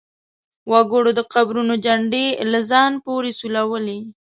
وګړو د قبرونو چنډې له ځان پورې سولولې.